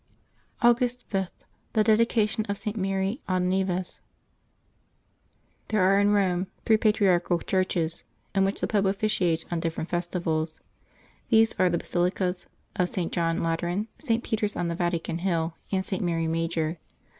August 5. THE DEDICATION OF ST. MARY AD NIVES. |^\HERE are in Eome three patriarchal churches, in which ^/ the Pope oflSciates on different festivals. These are the Basilics of St. John Lateran, St. Peter's on the Vatican Hill, and St. Mary Major.